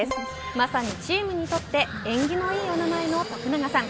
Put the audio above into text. まさにチームにとって縁起のいいお名前の徳永さん。